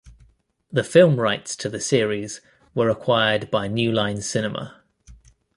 The film rights to the series were acquired by New Line Cinema.